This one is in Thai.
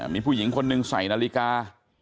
มีผู้หญิงคนหนึ่งใส่นาฬิกา